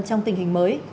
trong tình hình mới